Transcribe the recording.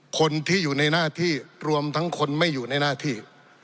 คนที่อยู่ในหน้าที่รวมทั้งคนไม่อยู่ในหน้าที่